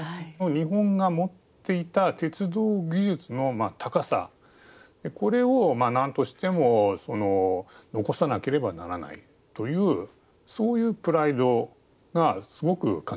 日本が持っていた鉄道技術の高さこれを何としても残さなければならないというそういうプライドがすごく感じられましたね。